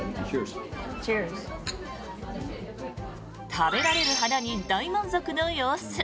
食べられる花に大満足の様子。